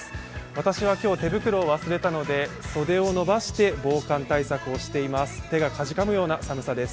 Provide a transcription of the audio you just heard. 私は今日、手袋を忘れたので袖を伸ばして防寒対策をしています。